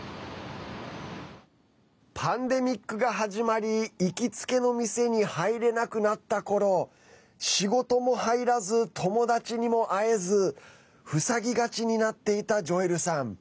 パンデミックが始まり行きつけの店に入れなくなったころ仕事も入らず、友達にも会えず塞ぎがちになっていたジョエルさん。